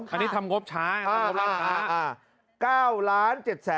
อันนี้ทำงบช้าทำงบล้านช้า